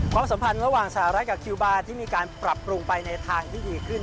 สัมพันธ์ระหว่างสหรัฐกับคิวบาร์ที่มีการปรับปรุงไปในทางที่ดีขึ้น